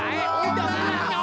dilihat doang aja